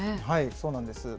そうなんです。